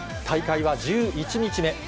大会は１１日目。